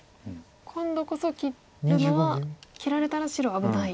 今度こそ切るのは切られたら白危ない。